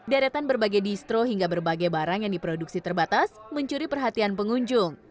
deretan berbagai distro hingga berbagai barang yang diproduksi terbatas mencuri perhatian pengunjung